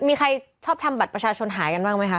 มีใครชอบทำบัตรประชาชนหายกันบ้างไหมคะ